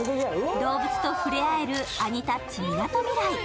動物と触れ合えるアニタッチみなとみらい。